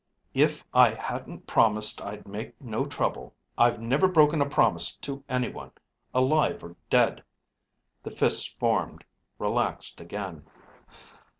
"If I hadn't promised I'd make no trouble. I've never broken a promise to anyone, alive or dead." The fists formed, relaxed again.